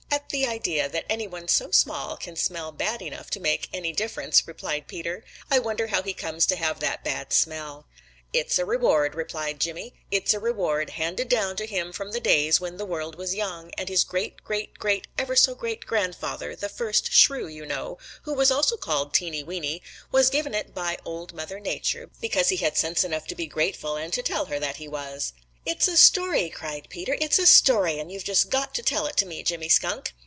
"At the idea that any one so small can smell bad enough to make any difference," replied Peter. "I wonder how he comes to have that bad smell." "It's a reward," replied Jimmy. "It's a reward handed down to him from the days when the world was young, and his great great great ever so great grandfather, the first Shrew, you know, who was also called Teeny Weeny, was given it by Old Mother Nature, because he had sense enough to be grateful and to tell her that he was." "It's a story!" cried Peter. "It's a story, and you've just got to tell it to me, Jimmy Skunk."